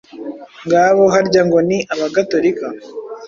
Ngabo harya ngo ni abagatorika?